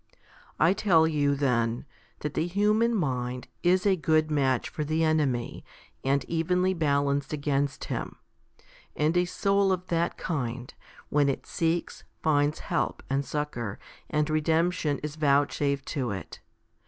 I tell you then that the human mind is a good match for the enemy and evenly balanced against him ; and a soul of that kind, when it seeks, finds help and succour, and redemption is vouchsafed to it.